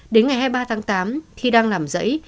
đến ngày hai mươi ba tháng tám thì đang làm dẫy